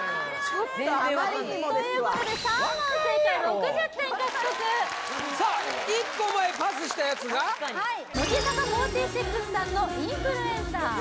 ちょっとあまりにもですわということで３問正解６０点獲得さあ１個前パスしたやつがはい乃木坂４６さんの「インフルエンサー」